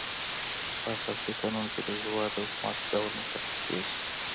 په اساسي قانون کي د یو هيواد د حکومت ډول مشخص کيږي.